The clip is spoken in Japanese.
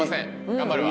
頑張るわ。